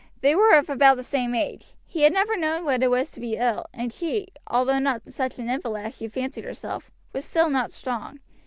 They were of about the same age; he had never known what it was to be ill, and she, although not such an invalid as she fancied herself, was still not strong.